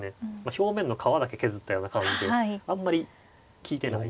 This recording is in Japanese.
表面の皮だけ削ったような感じであんまり利いてない。